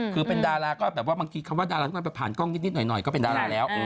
คือเป็นดาราก็แบบว่าบางทีคำว่าดาราทุกคนไปผ่านกล้องนิดหน่อยก็เป็นดาราแล้ว